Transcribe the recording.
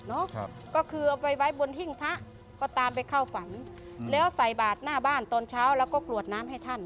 ก็คือเอาไปไว้บนหิ้งพระก็ตามไปเข้าฝันแล้วใส่บาทหน้าบ้านตอนเช้าแล้วก็กรวดน้ำให้ท่าน